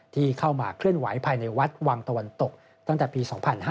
ที่เข้ามาเคลื่อนไหวภายในวัดวังตะวันตกตั้งแต่ปี๒๕๕๙